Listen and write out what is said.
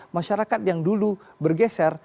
masyarakat yang dulu bergeser